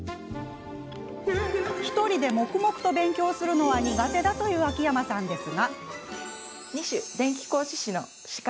１人で黙々と勉強するのが苦手だという秋山さんですが。